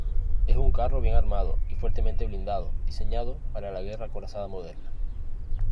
Es un carro bien armado y fuertemente blindado, diseñado para la guerra acorazada moderna.